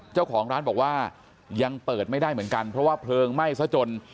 เจ้าของร้านบอกว่ายังเปิดไม่ได้เหมือนกันเพราะว่าเพลิงไหม้ซะจน